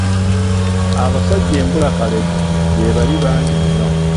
Abasajja embulakalevu gye bali bangi nnyo.